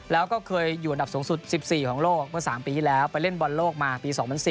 แล้วก็เคยอยู่อันดับสูงสุด๑๔ของโลกเมื่อ๓ปีที่แล้วไปเล่นบอลโลกมาปี๒๐๐๔